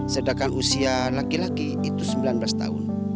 sedangkan usia laki laki itu sembilan belas tahun